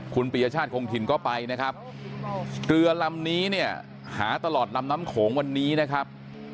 คุณปียชาติคงถิ่นก็ไปนะครับเรือลำนี้เนี่ยหาตลอดลำน้ำโขงวันนี้นะครับ